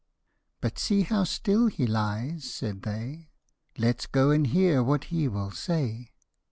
" But see, how still he lies," said they, " Let's go and hear what he will say."